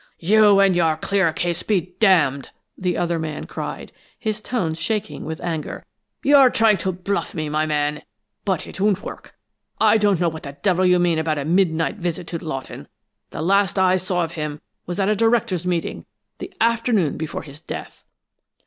"You and your 'clear case' be d d!" the other man cried, his tones shaking with anger. "You're trying to bluff me, my man, but it won't work! I don't know what the devil you mean about a midnight visit to Lawton; the last I saw of him was at a directors' meeting the afternoon before his death."